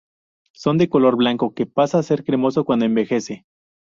Son de color blanco que pasa a ser cremoso cuando envejece.